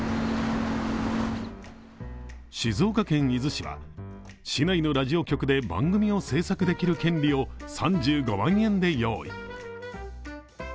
静岡県伊豆市は、市内のラジオ局で番組を制作できる権利を３５万円で用意。